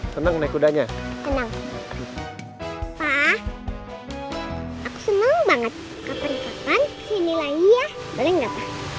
senang naik kudanya senang pak aku senang banget kapan kapan sini lagi ya boleh nggak